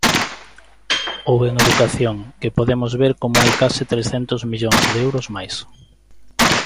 Ou en educación, que podemos ver como hai case trescentos millóns de euros máis.